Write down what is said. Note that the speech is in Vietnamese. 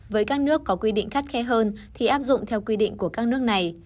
với các nước có quy định khắt khe hơn thì áp dụng theo quy định của các nước này